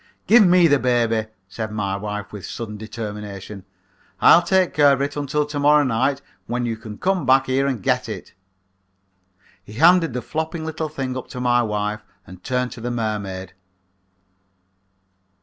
"'Give me the baby,' said my wife, with sudden determination. 'I'll take care of it until to morrow night when you can come back here and get it.' "He handed the flopping little thing up to my wife and turned to the mermaid.